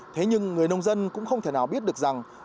thế nhưng người nông dân cũng không thể nào biết được rằng